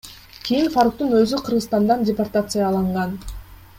Кийин Фаруктун өзү Кыргызстандан департацияланган.